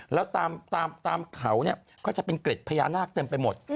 แล้วตามเขาก็จะเป็นเกร็ดพญานาคเต็มไปหมด